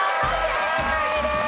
正解です。